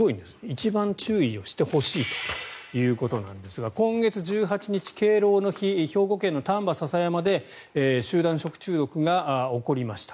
一番注意をしてほしいということなんですが今月１８日、敬老の日兵庫県の丹波篠山で集団食中毒が起こりました。